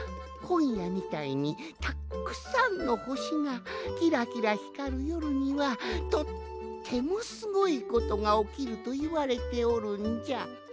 こんやみたいにたっくさんのほしがキラキラひかるよるにはとってもすごいことがおきるといわれておるんじゃ。